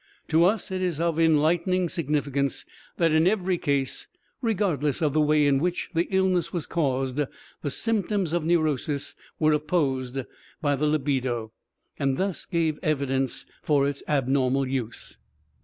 To us it is of enlightening significance that in every case, regardless of the way in which the illness was caused, the symptoms of neurosis were opposed by the libido and thus gave evidence for its abnormal use.